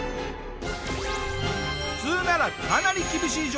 普通ならかなり厳しい状況。